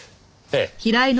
ええ。